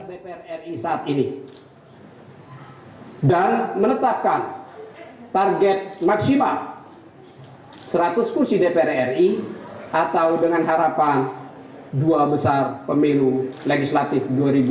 dprri saat ini dan menetapkan target maksimal seratus kursi dprri atau dengan harapan dua besar pemilu legislatif dua ribu dua puluh empat